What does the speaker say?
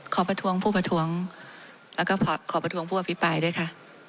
ประท้วงผู้ประท้วงแล้วก็ขอประท้วงผู้อภิปรายด้วยค่ะ